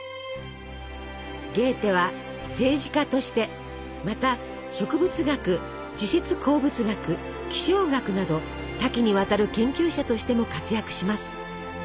ゲーテは政治家としてまた植物学地質鉱物学気象学など多岐にわたる研究者としても活躍します。